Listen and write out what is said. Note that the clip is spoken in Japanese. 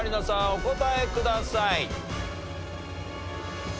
お答えください。